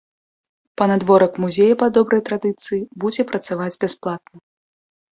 Панадворак музея па добрай традыцыі будзе працаваць бясплатна.